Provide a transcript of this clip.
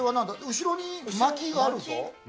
後ろに薪があるぞ。